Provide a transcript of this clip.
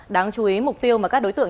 đáng chú ý mục tiêu mà các đối tượng